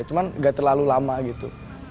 cuma gak terlalu lama gitu